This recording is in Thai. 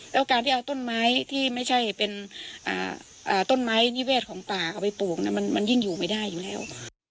แล้วการที่เอาต้นไม้ที่ไม่ใช่เป็นต้นไม้นิเวศของป่าเข้าไปปลูกมันยิ่งอยู่ไม่ได้อยู่แล้ว